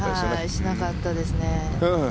しなかったですね。